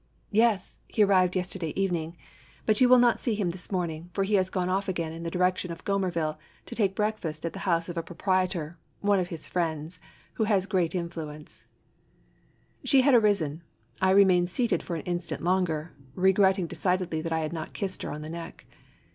"Yes; he arrived yesterday evening. But you will not see him this morning, for he has gone off* again in the direction of Gommerville to take breakfast at the house of a proprietor, one of his friends, who has great influence." 54 IN THE VOLUBILIS BOWER. Slie had arisen; I remained seated for an instant longer, regretting decidedly that I had not kissed her on the neck.